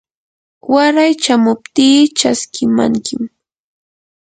waray chamuptii chaskimankim.